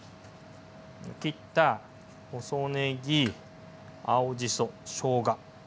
切った細ねぎ青じそしょうが。